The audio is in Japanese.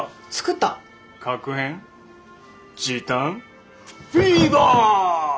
確変時短フィーバー！